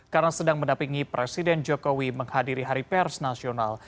karena sedang mendapingi presiden jokowi menghadiri hari pers nasional